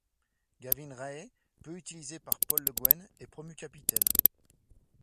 Gavin Rae, peu utilisé par Paul Le Guen, est promu capitaine.